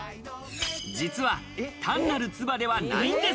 実は単なる唾ではないんです。